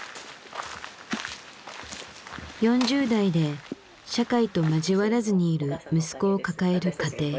４０代で社会と交わらずにいる息子を抱える家庭。